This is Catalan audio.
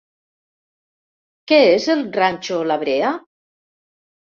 Què és el Ranxo La Brea?